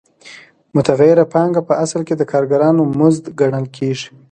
متغیره پانګه په اصل کې د کارګرانو مزد ګڼل کېږي